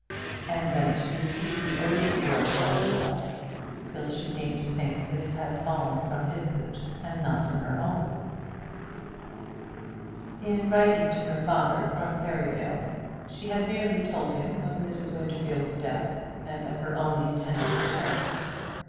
And then she repeated the odious words to herself, till she came to think that it had fallen from his lips and not from her own. In writing to her father from Perivale, she had merely told him of Mrs. Winterfield's death and of her own intended return.